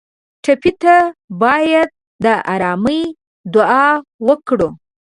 ټپي ته باید د ارامۍ دعا وکړو.